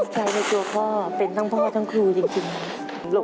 ใจในตัวพ่อเป็นทั้งพ่อทั้งครูจริงลูก